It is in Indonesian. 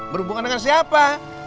berhubungan dengan siapa